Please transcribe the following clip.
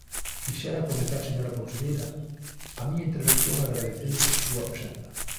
Quixera comezar, señora conselleira, a miña intervención agradecendo a súa presenza.